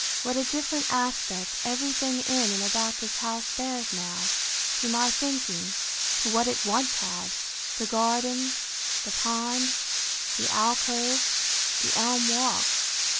What a different aspect every thing in and about this house bears now, to my thinking, to what it once had! The garden, the pond, the alcove, the elm walk.